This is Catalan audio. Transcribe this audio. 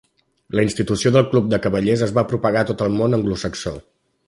La institució del club de cavallers es va propagar a tot el món anglosaxó.